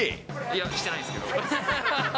いや、してないですけど。